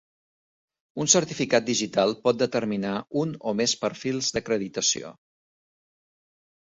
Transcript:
Un certificat digital pot determinar un o més perfils d'acreditació.